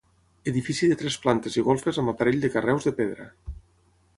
Edifici de tres plantes i golfes amb aparell de carreus de pedra.